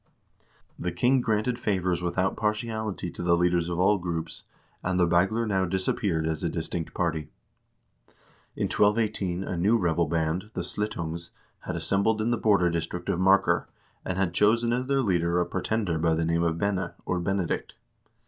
The king granted favors without partiality to the leaders of all groups, and the Bagler now disappeared as a distinct party. In 1218 a new rebel band, the Slitungs, had assembled in the border district of Marker, and had chosen as their leader a pretender by the name of Bene, or Benedict.